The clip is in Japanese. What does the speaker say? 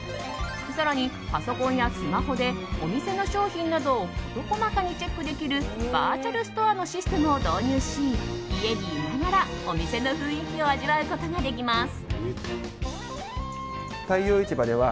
更に、パソコンやスマホでお店の商品などを事細かにチェックできるバーチャルストアのシステムを導入し家にいながら、お店の雰囲気を味わうことができます。